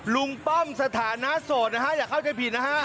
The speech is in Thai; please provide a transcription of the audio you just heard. ป้อมสถานะโสดนะฮะอย่าเข้าใจผิดนะฮะ